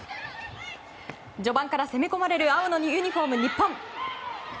序盤から攻め込まれる青のユニホーム、日本。